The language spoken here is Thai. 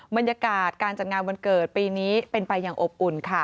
บรรยากาศการจัดงานวันเกิดปีนี้เป็นไปอย่างอบอุ่นค่ะ